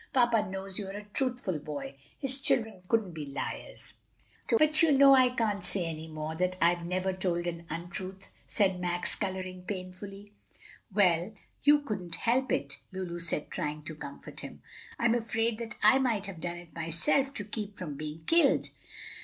"Papa knows you're a truthful boy. His children couldn't be liars!" "But you know I can't say any more that I've never told an untruth," said Max, coloring painfully. "Well, you couldn't help it," Lulu said, trying to comfort him. "I'm afraid that I might have done it myself to keep from being killed."